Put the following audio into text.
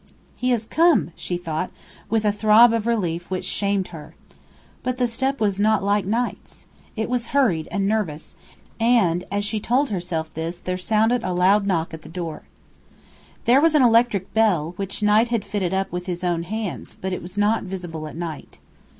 "He has come!" she thought, with a throb of relief which shamed her. But the step was not like Knight's. It was hurried and nervous; and as she told herself this there sounded a loud knock at the door. There was an electric bell, which Knight had fitted up with his own hands, but it was not visible at night.